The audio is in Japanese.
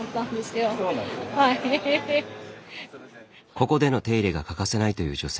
ここでの手入れが欠かせないという女性。